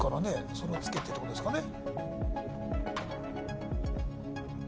それを付けてっていうことですかね